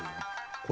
これ。